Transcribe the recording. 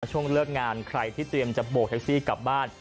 ช่วงเลิกงานใครที่เตรียมจะโบกแท็กซี่กลับบ้าน